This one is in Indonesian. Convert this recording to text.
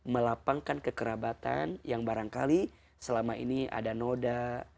melapangkan kekerabatan yang barangkali selama ini ada noda